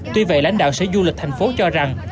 tuy vậy lãnh đạo sở du lịch thành phố cho rằng